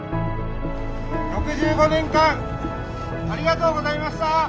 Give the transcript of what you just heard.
６５年間ありがとうございました！